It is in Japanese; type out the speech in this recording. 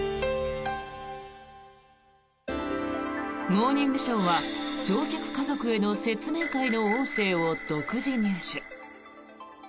「モーニングショー」は乗客家族への説明会の音声を独自入手。